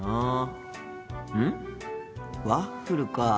ワッフルか。